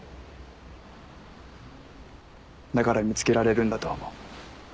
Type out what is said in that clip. だから見つけられるんだと思う。